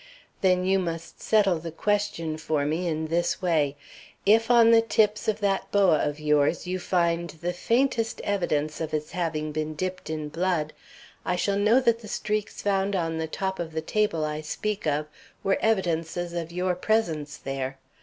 "Then you must settle the question for me in this way. If on the tips of that boa of yours you find the faintest evidence of its having been dipped in blood, I shall know that the streaks found on the top of the table I speak of were evidences of your presence there.